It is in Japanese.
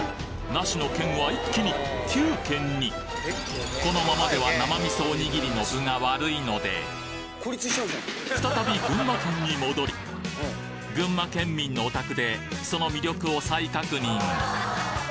ナシの県は一気に９県にこのままでは生味噌おにぎりの分が悪いので再び群馬県に戻り群馬県民のお宅でその魅力を再確認